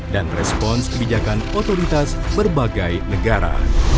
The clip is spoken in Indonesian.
dan respons kebijakan otoritas berbagai negara